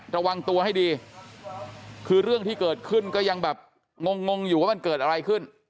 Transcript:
ระวังตัวให้ดีคือเรื่องที่เกิดขึ้นก็ยังแบบงงงอยู่ว่ามันเกิดอะไรขึ้น